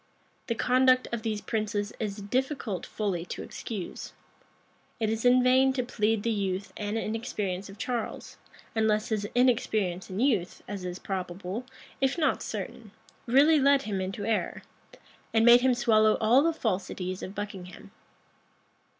The conduct of these princes it is difficult fully to excuse. It is in vain to plead the youth and inexperience of Charles; unless his inexperience and youth, as is probable,[] if not certain, really led him into error, and made him swallow all the falsities of Buckingham.